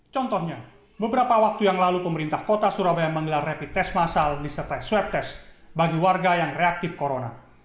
contohnya beberapa waktu yang lalu pemerintah kota surabaya menggelar rapid test masal disertai swab test bagi warga yang reaktif corona